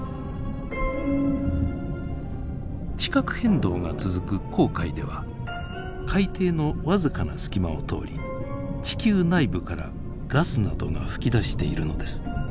地殻変動が続く紅海では海底の僅かな隙間を通り地球内部からガスなどが噴き出しているのです。